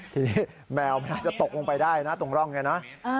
ทีนี้แมวมันอาจจะตกลงไปได้นะ